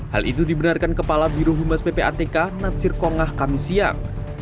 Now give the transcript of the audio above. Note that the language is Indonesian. hal itu dibenarkan kepala birohumas ppatk natsir kongah kamisiyang